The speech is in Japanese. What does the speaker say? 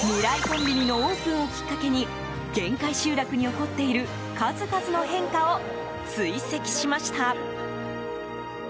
コンビニのオープンをきっかけに限界集落に起こっている数々の変化を追跡しました。